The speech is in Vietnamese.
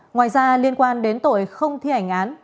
ngoài ra liên quan đến tội không thi hành án